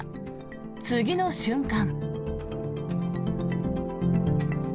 次の瞬間。